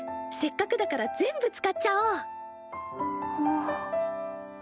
せっかくだから全部使っちゃおう！